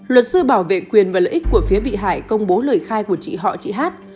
luật sư bảo vệ quyền và lợi ích của phía bị hại công bố lời khai của chị họ chị hát